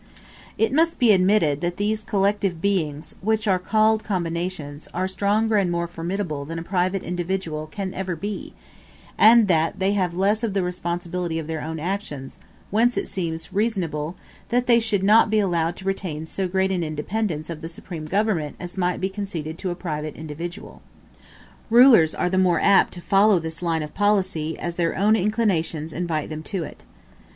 It must be admitted that these collective beings, which are called combinations, are stronger and more formidable than a private individual can ever be, and that they have less of the responsibility of their own actions; whence it seems reasonable that they should not be allowed to retain so great an independence of the supreme government as might be conceded to a private individual. Rulers are the more apt to follow this line of policy, as their own inclinations invite them to it.